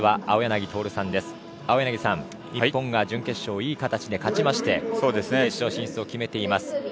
青柳さん、日本が準決勝をいい形で勝ちまして決勝進出を決めています。